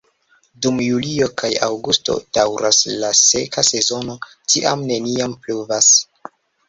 Dum julio kaj aŭgusto daŭras la seka sezono, tiam neniam pluvas.